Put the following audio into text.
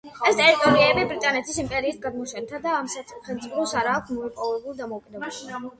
ეს ტერიტორიები ბრიტანეთის იმპერიის გადმონაშთია, ამ სახელმწიფოებს არა აქვთ მოპოვებული დამოუკიდებლობა.